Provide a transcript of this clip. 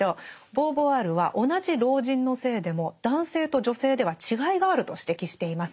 ボーヴォワールは同じ老人の性でも男性と女性では違いがあると指摘しています。